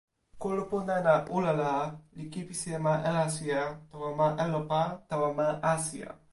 kulupu nena Ulala li kipisi e ma Elasija tawa ma Elopa tawa ma Asija.